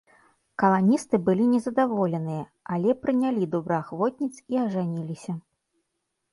Каланісты былі не задаволеныя, але прынялі добраахвотніц і ажаніліся.